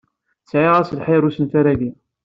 Sɛiɣ-as lḥir i usenfaṛ-agi.